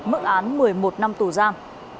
mỡ án một mươi một năm tù gian